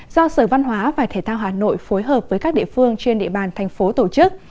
do sở văn hóa và thể thao hà nội phối hợp với các địa phương trên địa bàn thành phố tổ chức